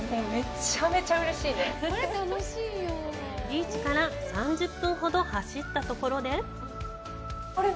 ビーチから３０分ほど走った所であれ？